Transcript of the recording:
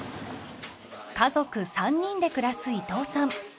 家族３人で暮らす伊藤さん。